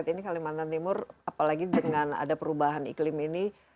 ini kalimantan timur apalagi dengan ada perubahan iklim ini